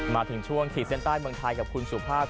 มาถึงช่วงขีดเส้นใต้เมืองไทยกับคุณสุภาพ